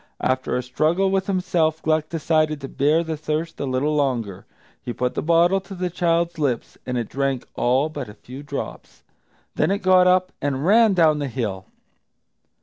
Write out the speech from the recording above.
After a struggle with himself Gluck decided to bear the thirst a little longer. He put the bottle to the child's lips, and it drank all but a few drops. Then it got up and ran down the hill.